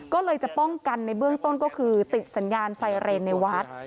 ก็เลยจะป้องกันในเบื้องต้นก็คือติดสัญญาณไซเรนในวัด